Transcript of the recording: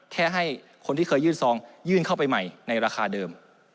ให้คนที่เคยยื่นซองยื่นเข้าไปใหม่ในราคาเดิม